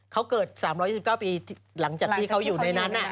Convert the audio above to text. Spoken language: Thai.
เขาเกิด๓๒๙ปีหลังจากที่เขาอยู่ในนั้น